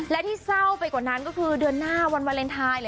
และที่เศร้าไปกว่านั้นก็คือเดือนหน้าวันวาเลนไทย